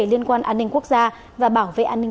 liên quan an ninh quốc gia và bảo vệ an ninh